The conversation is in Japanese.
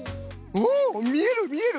みえるみえる！